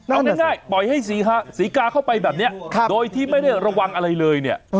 เอาง่ายปล่อยให้ศรีกาเข้าไปแบบนี้โดยที่ไม่ได้ระวังอะไรเลยเนี่ย